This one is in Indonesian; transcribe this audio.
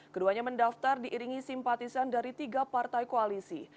keduanya mendaftar diiringi simpatisan dari tiga partai koalisi